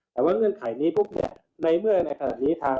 แต่ว่าเงื่อนไขนี้พบในเมื่อในขณะนี้ค่ะ